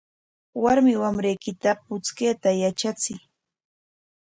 Warmi wamrayki puchkayta yatrachiy.